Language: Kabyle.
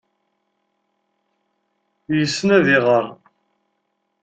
Yessen ad iɣer.